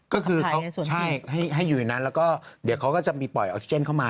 ก็คือเขาใช่ให้อยู่ในนั้นแล้วก็เดี๋ยวเขาก็จะมีปล่อยออกซิเจนเข้ามา